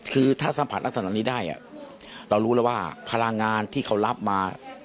คือถ้าสัมผัสลักษณะนี้ได้เรารู้แล้วว่าพลังงานที่เขารับมา